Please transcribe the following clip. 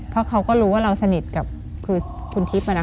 เพราะเขาก็รู้ว่าเราสนิทกับคุณจิ๊บมั้ยนะคะ